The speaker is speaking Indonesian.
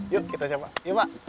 yuk kita coba yuk pak